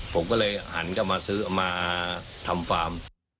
ผมก็เลยหันกลับมาซื้อมาทำฟาร์ม